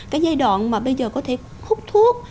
cái giai đoạn mà bây giờ có thể hút thuốc